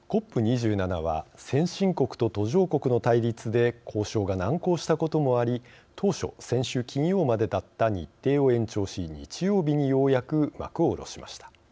ＣＯＰ２７は先進国と途上国の対立で交渉が難航したこともあり当初、先週金曜までだった日程を延長し、日曜日にようやく幕を下ろしました。